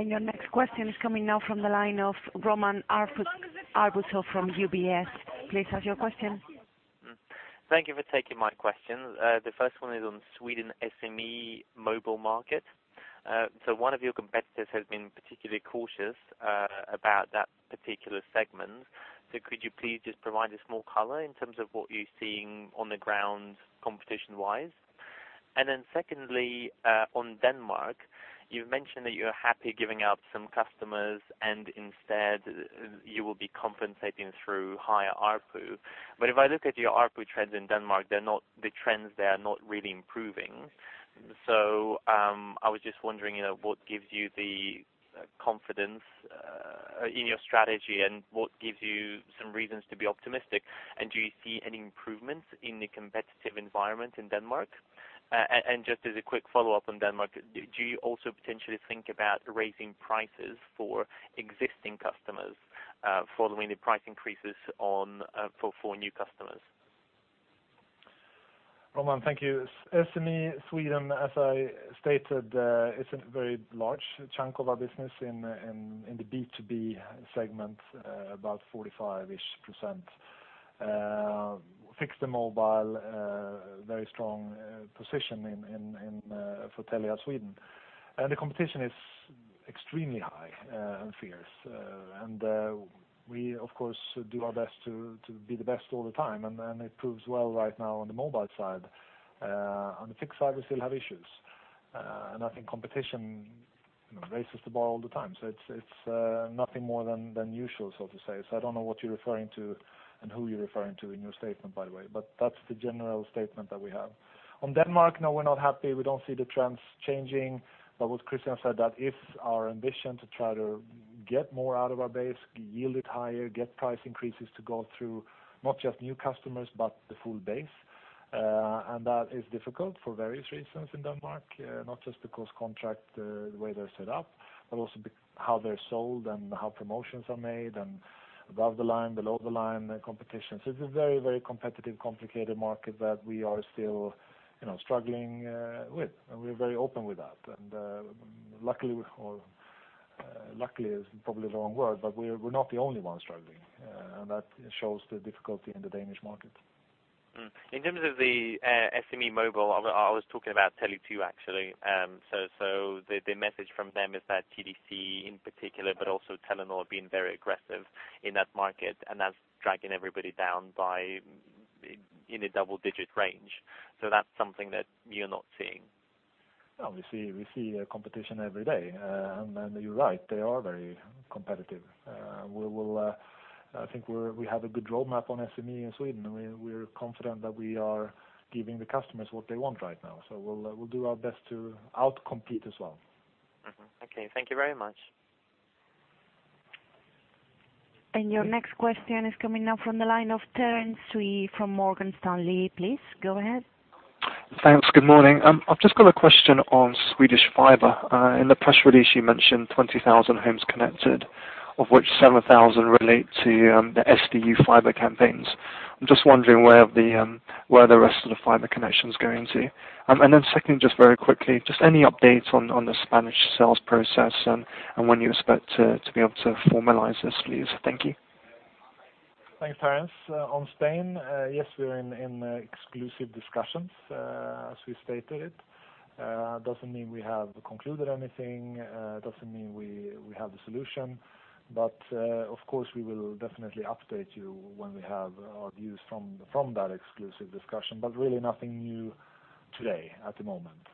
Your next question is coming now from the line of Roman Arbuzov from UBS. Please ask your question. Thank you for taking my questions. The first one is on Sweden SME mobile market. One of your competitors has been particularly cautious about that particular segment. Could you please just provide a small color in terms of what you're seeing on the ground competition-wise? Secondly, on Denmark, you've mentioned that you're happy giving up some customers, and instead, you will be compensating through higher ARPU. If I look at your ARPU trends in Denmark, the trends there are not really improving. I was just wondering what gives you the confidence in your strategy, and what gives you some reasons to be optimistic, and do you see any improvements in the competitive environment in Denmark? Just as a quick follow-up on Denmark, do you also potentially think about raising prices for existing customers following the price increases for new customers? Roman, thank you. SME Sweden, as I stated, it's a very large chunk of our business in the B2B segment, about 45%. Fixed mobile, very strong position for Telia Sweden. The competition is extremely high and fierce. We of course, do our best to be the best all the time, and it proves well right now on the mobile side. On the fixed side, we still have issues. I think competition raises the bar all the time. It's nothing more than usual, so to say. I don't know what you're referring to and who you're referring to in your statement, by the way. That's the general statement that we have. On Denmark, no, we're not happy. We don't see the trends changing. What Christian said, that it's our ambition to try to get more out of our base, yield it higher, get price increases to go through not just new customers, but the full base. That is difficult for various reasons in Denmark. Not just because contract the way they're set up, but also how they're sold and how promotions are made, and above the line, below the line, the competition. It's a very competitive, complicated market that we are still struggling with, and we're very open with that. Luckily, or luckily is probably the wrong word, we're not the only ones struggling. That shows the difficulty in the Danish market. In terms of the SME mobile, I was talking about Tele2, actually. The message from them is that TDC in particular, but also Telenor being very aggressive in that market, and that's dragging everybody down in a double-digit range. That's something that you're not seeing. We see competition every day. You're right, they are very competitive. I think we have a good roadmap on SME in Sweden. We're confident that we are giving the customers what they want right now. We'll do our best to out-compete as well. Okay. Thank you very much. Your next question is coming now from the line of Terence Kwok from Morgan Stanley. Please go ahead. Thanks. Good morning. I've just got a question on Swedish fiber. In the press release, you mentioned 20,000 homes connected, of which 7,000 relate to the SDU fiber campaigns. I'm just wondering where the rest of the fiber connections are going to. Second, just very quickly, just any updates on the Spanish sales process and when you expect to be able to formalize this, please? Thank you. Thanks, Terence. On Spain, yes, we are in exclusive discussions, as we stated. Doesn't mean we have concluded anything, doesn't mean we have the solution. Of course, we will definitely update you when we have our views from that exclusive discussion, but really nothing new today at the moment.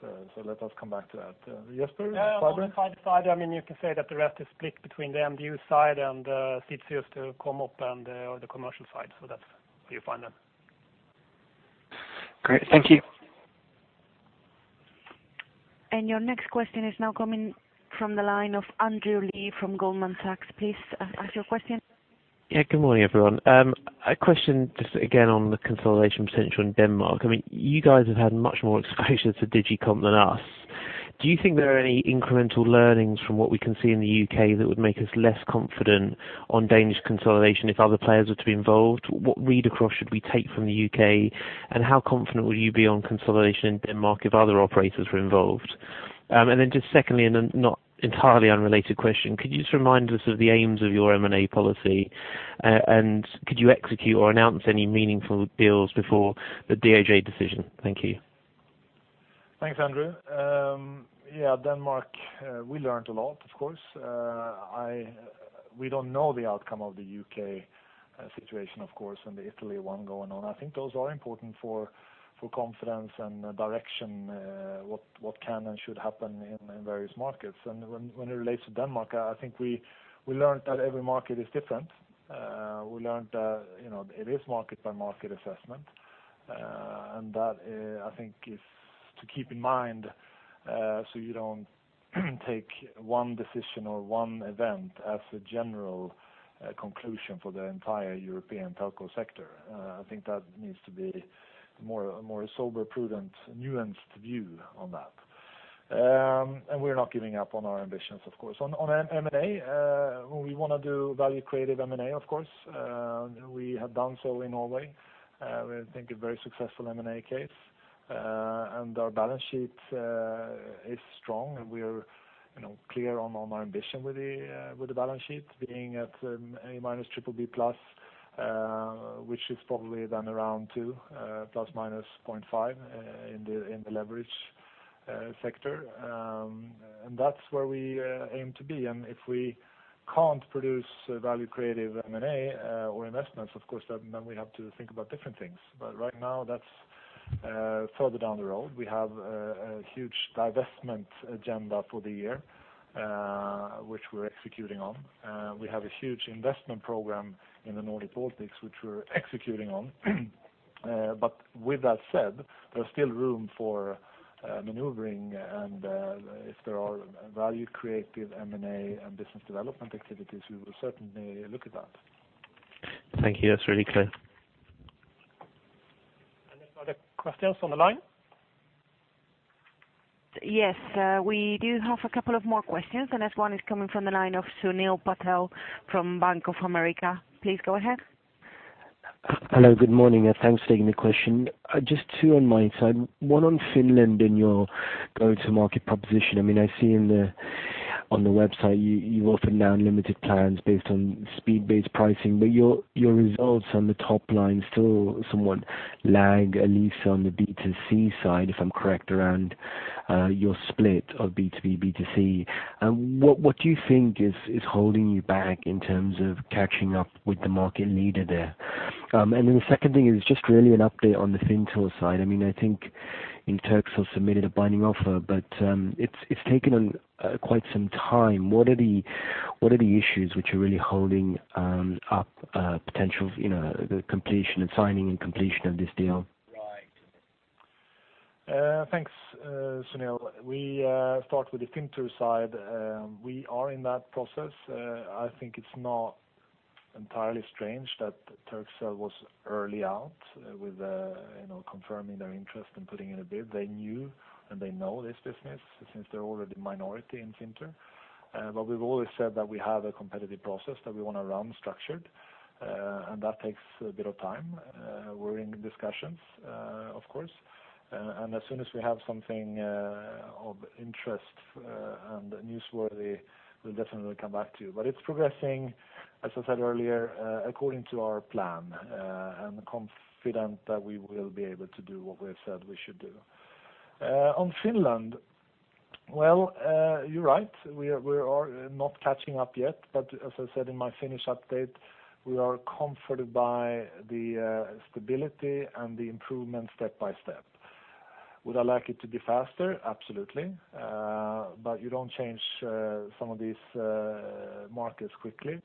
Let us come back to that. Jesper? Fiber. Yeah, on the fiber side, you can say that the rest is split between the MDU side and the CTAs to come up and the commercial side. That's where you find them. Great. Thank you. Your next question is now coming from the line of Andrew Lee from Goldman Sachs. Please ask your question. Good morning, everyone. A question just again on the consolidation potential in Denmark. You guys have had much more exposure to DG Comp than us. Do you think there are any incremental learnings from what we can see in the U.K. that would make us less confident on Danish consolidation if other players were to be involved? What read across should we take from the U.K.? How confident would you be on consolidation in Denmark if other operators were involved? Secondly, and a not entirely unrelated question, could you just remind us of the aims of your M&A policy, and could you execute or announce any meaningful deals before the DHA decision? Thank you. Thanks, Andrew. Denmark, we learned a lot, of course. We don't know the outcome of the U.K. situation, of course, and the Italy one going on. I think those are important for confidence and direction, what can and should happen in various markets. When it relates to Denmark, I think we learned that every market is different. We learned that it is market-by-market assessment, and that, I think is to keep in mind, so you don't take one decision or one event as a general conclusion for the entire European telco sector. I think that needs to be a more sober, prudent, nuanced view on that. We're not giving up on our ambitions, of course. On M&A, we want to do value-creative M&A, of course. We have done so in Norway, we think a very successful M&A case. Our balance sheet is strong, and we are clear on our ambition with the balance sheet being at A- triple B+, which is probably then around 2 ±0.5 in the leverage sector. That's where we aim to be. If we can't produce value-creative M&A or investments, of course, then we have to think about different things. Right now that's further down the road. We have a huge divestment agenda for the year, which we're executing on. We have a huge investment program in the Nordic Baltics, which we're executing on. With that said, there's still room for maneuvering, and if there are value-creative M&A and business development activities, we will certainly look at that. Thank you. That's really clear. Other questions on the line? Yes. We do have a couple of more questions. The next one is coming from the line of Sunil Patel from Bank of America. Please go ahead. Hello. Good morning, and thanks for taking the question. Just two on my side. One on Finland and your go-to-market proposition. I see on the website you offer now unlimited plans based on speed-based pricing, but your results on the top line still somewhat lag, at least on the B2C side, if I'm correct around your split of B2B, B2C. What do you think is holding you back in terms of catching up with the market leader there? The second thing is just really an update on the Fintur side. I think Turkcell submitted a binding offer, but it's taken on quite some time. What are the issues which are really holding up potential, the completion and signing and completion of this deal? Right. Thanks, Sunil. We start with the Fintur side. We are in that process. I think it's not entirely strange that Turkcell was early out with confirming their interest and putting in a bid. They knew and they know this business since they're already minority in Fintur. We've always said that we have a competitive process that we want to run structured, and that takes a bit of time. We're in discussions, of course, and as soon as we have something of interest and newsworthy, we'll definitely come back to you. It's progressing, as I said earlier, according to our plan, and confident that we will be able to do what we have said we should do. On Finland, well, you're right. We are not catching up yet, as I said in my Finnish update, we are comforted by the stability and the improvement step by step. Would I like it to be faster? Absolutely. You don't change some of these markets quickly.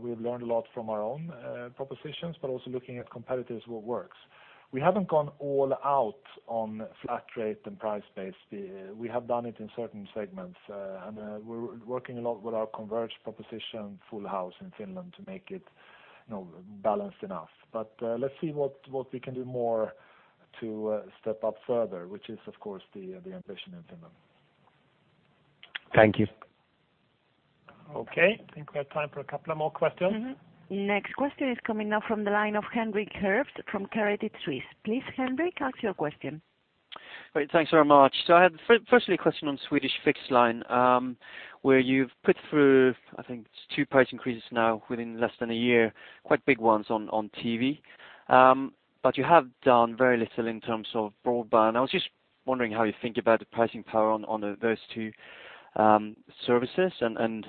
We've learned a lot from our own propositions, but also looking at competitors, what works. We haven't gone all out on flat rate and price base. We have done it in certain segments, and we're working a lot with our converged proposition Full House in Finland to make it balanced enough. Let's see what we can do more to step up further, which is, of course, the ambition in Finland. Thank you. Okay, I think we have time for a couple of more questions. Next question is coming now from the line of Henrik Herbst from Credit Suisse. Please, Henrik, ask your question. Great. Thanks very much. I had firstly a question on Swedish fixed line, where you've put through, I think it's 2 price increases now within less than a year, quite big ones on TV. You have done very little in terms of broadband. I was just wondering how you think about the pricing power on those 2 services, and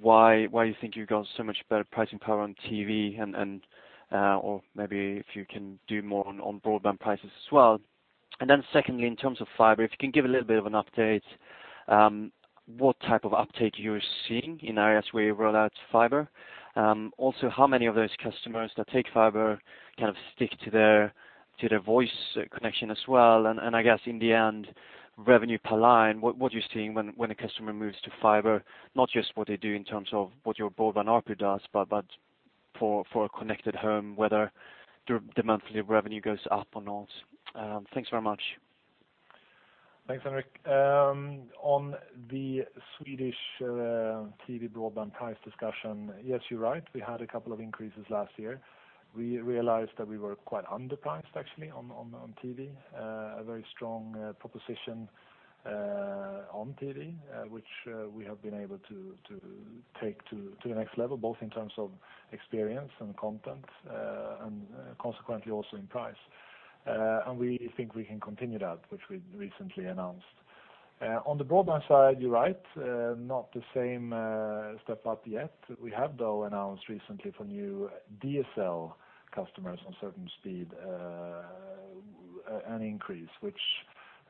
why you think you've got so much better pricing power on TV, or maybe if you can do more on broadband prices as well. Secondly, in terms of fiber, if you can give a little bit of an update, what type of uptake you're seeing in areas where you roll out fiber. Also, how many of those customers that take fiber kind of stick to their voice connection as well? I guess in the end, revenue per line, what you're seeing when a customer moves to fiber, not just what they do in terms of what your broadband ARPU does, but for a connected home, whether the monthly revenue goes up or not. Thanks very much. Thanks, Henrik. On the Swedish TV broadband price discussion, yes, you're right. We had a couple of increases last year. We realized that we were quite underpriced actually on TV. A very strong proposition on TV, which we have been able to take to the next level, both in terms of experience and content, and consequently also in price. We think we can continue that, which we recently announced. On the broadband side, you're right, not the same step up yet. We have, though, announced recently for new DSL customers on certain speed, an increase, which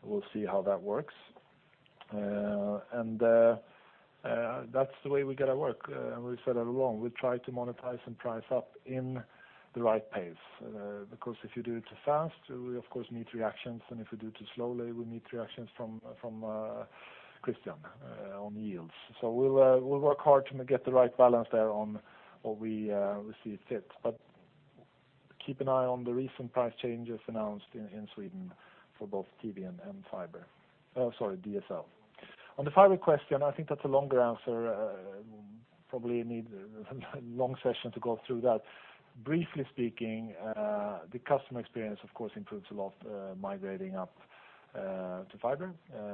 we'll see how that works. That's the way we got to work. We said it along. We try to monetize and price up in the right pace. If you do it too fast, we of course need reactions. If we do it too slowly, we need reactions from Christian on yields. We'll work hard to get the right balance there on what we see fit. Keep an eye on the recent price changes announced in Sweden for both TV and fiber. Oh, sorry, DSL. On the fiber question, I think that's a longer answer. Probably need a long session to go through that. Briefly speaking, the customer experience, of course, improves a lot, migrating up to fiber.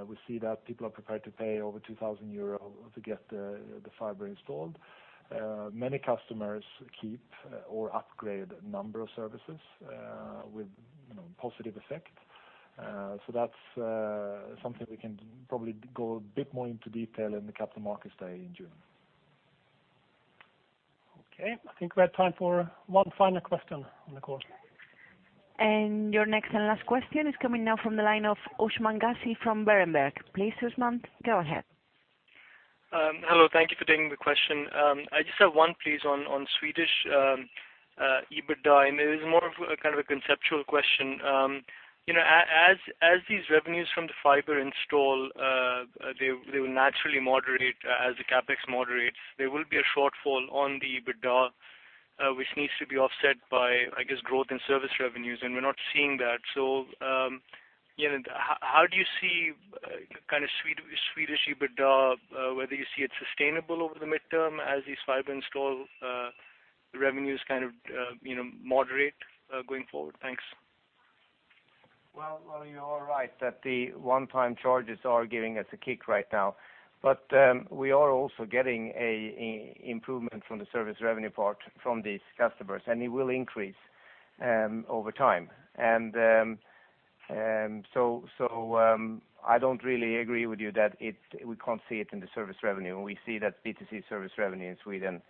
We see that people are prepared to pay over 2,000 euro to get the fiber installed. Many customers keep or upgrade a number of services with positive effect. That's something we can probably go a bit more into detail in the capital markets day in June. Okay, I think we have time for one final question on the call. Your next and last question is coming now from the line of Usman Ghazi from Berenberg. Please, Usman, go ahead. Hello, thank you for taking the question. I just have one, please, on Swedish EBITDA, and it is more of a kind of a conceptual question. As these revenues from the fiber install, they will naturally moderate as the CapEx moderates. There will be a shortfall on the EBITDA, which needs to be offset by, I guess, growth in service revenues, and we're not seeing that. How do you see kind of Swedish EBITDA, whether you see it sustainable over the midterm as these fiber install revenues kind of moderate going forward? Thanks. Well, you are right that the one-time charges are giving us a kick right now. We are also getting improvement from the service revenue part from these customers, and it will increase over time. I don't really agree with you that we can't see it in the service revenue. We see that B2C service revenue in Sweden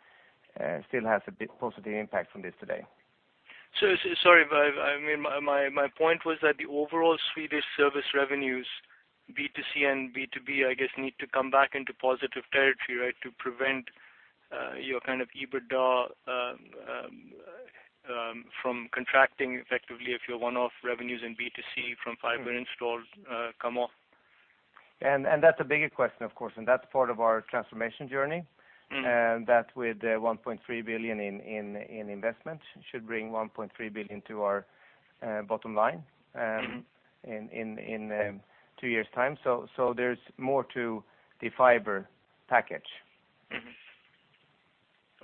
still has a big positive impact from this today. Sorry, my point was that the overall Swedish service revenues, B2C and B2B, I guess, need to come back into positive territory to prevent your kind of EBITDA from contracting effectively if your one-off revenues in B2C from fiber installs come off. That's a bigger question, of course, and that's part of our transformation journey. That with 1.3 billion in investment should bring 1.3 billion to our bottom line. in two years' time. There's more to the fiber package.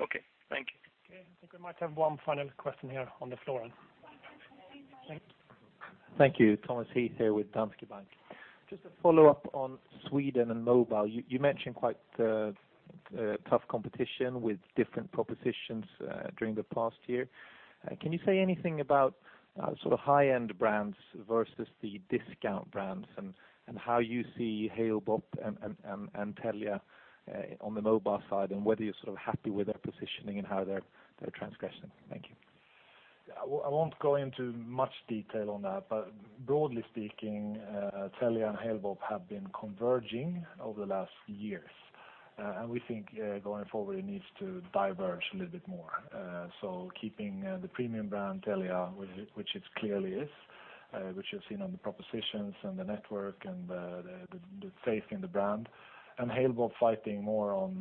Okay. Thank you. I think we might have one final question here on the floor then. Thank you. Thank you. Thomas Heath here with Danske Bank. Just a follow-up on Sweden and mobile. You mentioned quite tough competition with different propositions during the past year. Can you say anything about sort of high-end brands versus the discount brands, and how you see Halebop and Telia on the mobile side, and whether you're sort of happy with their positioning and how they're progressing? Thank you. I won't go into much detail on that. Broadly speaking, Telia and Halebop have been converging over the last years. We think going forward it needs to diverge a little bit more. Keeping the premium brand Telia, which it clearly is, which you've seen on the propositions and the network and the faith in the brand, and Halebop fighting more on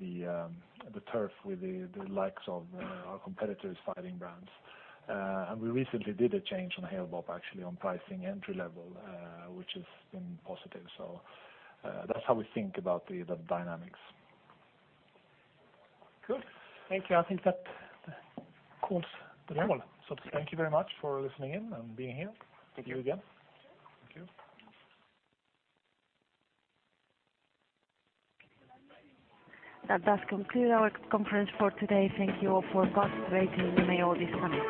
the turf with the likes of our competitors' fighting brands. We recently did a change on Halebop, actually, on pricing entry level, which has been positive. That's how we think about the dynamics. Good. Thank you. I think that calls the roll. Thank you very much for listening in and being here. Thank you. Thank you again. Thank you. That does conclude our conference for today. Thank you all for participating and you may all disconnect.